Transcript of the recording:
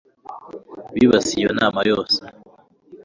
bibasiye iyo nama yose